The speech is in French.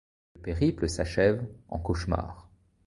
Le périple s'achève en cauchemar.